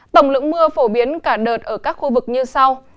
tổng lượng mưa phổ biến cả đợt ở các khu vực như sau